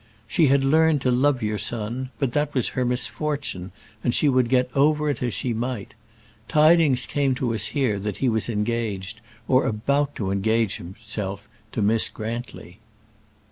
She had learned to love your son; but that was her misfortune and she would get over it as she might. Tidings came to us here that he was engaged, or about to engage himself, to Miss Grantly."